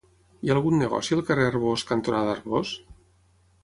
Hi ha algun negoci al carrer Arbós cantonada Arbós?